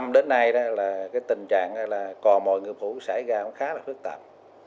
hai nghìn một mươi năm đến nay tình trạng cò mọi người phủ xảy ra khá là phức tạp